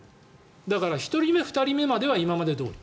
だから、１人目、２人目までは今までどおり。